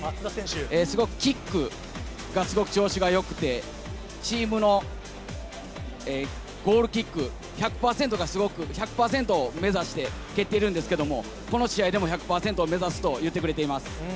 すごくキックがすごく調子がよくて、チームのゴールキック、１００％がすごく、１００％を目指して蹴っているんですけれども、この試合でも１００％を目指すと言ってくれてます。